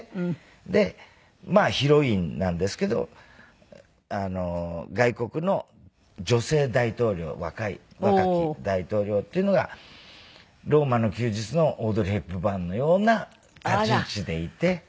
でまあヒロインなんですけど外国の女性大統領若い若き大統領っていうのが『ローマの休日』のオードリー・ヘプバーンのような立ち位置でいて。